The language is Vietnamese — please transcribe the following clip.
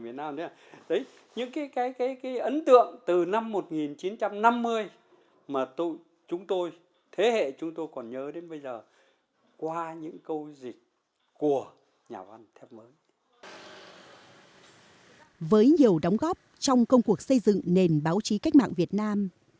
với nhiều đóng góp trong công cuộc xây dựng nền báo chí cách mạng việt nam